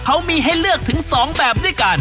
เขามีให้เลือกถึง๒แบบด้วยกัน